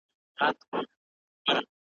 بيا به ګرم کي بزمونه `